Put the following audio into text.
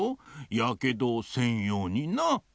やけどをせんようにな！